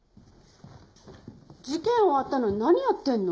事件終わったのに何やってんの？